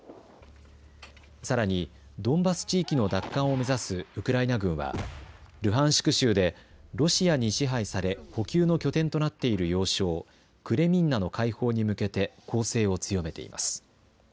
さらに、ドンバス地域の奪還を目指すウクライナ軍はルハンシク州でロシアに支配され補給の拠点となっている要衝クレミンナの解放に向けて攻勢を強めています。